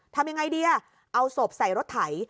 ทำยังไงดีเอาศพใส่รถไถ